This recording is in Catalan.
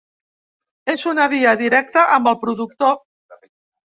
És una via directa amb el productor.